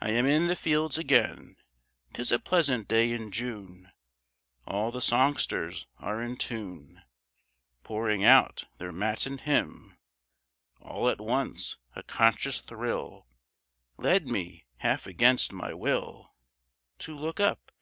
I am in the fields again; 'Tis a pleasant day in June, All the songsters are in tune, Pouring out their matin hymn. All at once a conscious thrill Led me, half against my will, To look up.